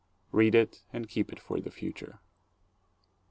Read it and keep it for the future.